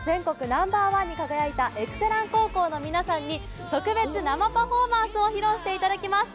ナンバーワンに輝いたエクセラン高校の皆さんに特別生パフォーマンスを披露していただきます。